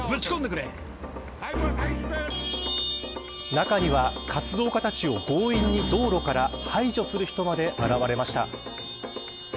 中には、活動家たちを強引に道路から排除する人まで現れました。